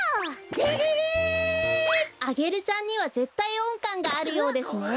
レレレ！？アゲルちゃんにはぜったいおんかんがあるようですね。